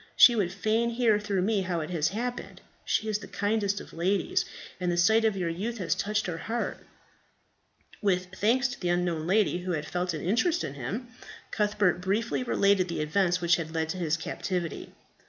She would fain hear through me how it has happened. She is the kindest of ladies, and the sight of your youth has touched her heart." With thanks to the unknown lady who had felt an interest in him, Cuthbert briefly related the events which had led to his captivity.